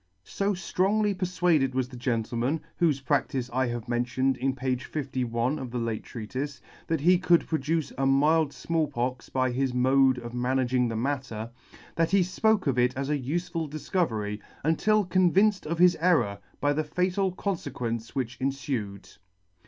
So fcrongly perfuaded was the gentleman, whofe practice I have mentioned in page 51 of the late Treatife, that he could produce a mild Small Pox by his mode of managing the matter, that he fpoke of it as a ufeful difcovery, until convinced of his error by the fatal confequence which enfued.